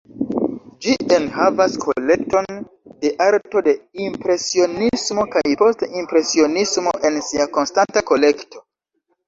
Ĝi enhavas kolekton de arto de Impresionismo kaj Post-impresionismo en sia konstanta kolekto.